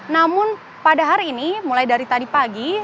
namun pada hari ini mulai dari tadi pagi